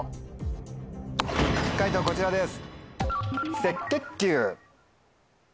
解答こちらです。